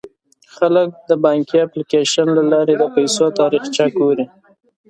خلک د بانکي اپلیکیشن له لارې د پيسو تاریخچه ګوري.